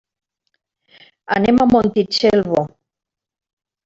Anem a Montitxelvo.